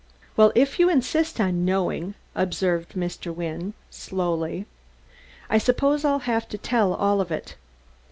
"Well, if you insist on knowing," observed Mr. Wynne slowly, "I suppose I'll have to tell all of it.